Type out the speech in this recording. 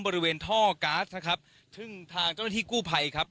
บริเวณท่อก๊าซนะครับซึ่งทางเจ้าหน้าที่กู้ภัยครับ